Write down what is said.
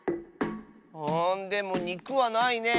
あでもにくはないね。